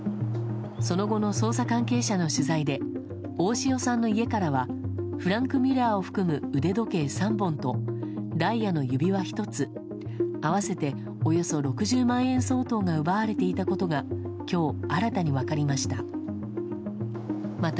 その後の捜査関係者の取材で大塩さんの家からはフランク・ミュラーを含む腕時計３本とダイヤの指輪１つ合わせておよそ６０万円相当が奪われていたことが今日、新たに分かりました。